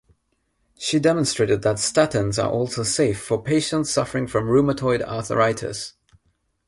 She demonstrated that statins are also safe for patients suffering from rheumatoid arthritis.